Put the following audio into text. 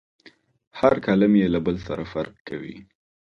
هر کالم یې له بل سره فرق کوي.